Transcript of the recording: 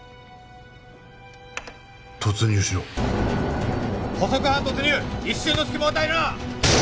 突入しろ捕捉班突入一瞬の隙も与えるな！